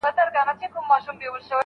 لوږي ځپلي یخني یې وژني